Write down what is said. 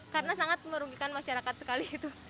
karena sangat merugikan masyarakat sekali itu